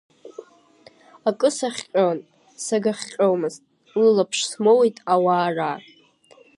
Акы сахҟьон, сагьахҟьомызт, лылаԥш смоуит ауаара.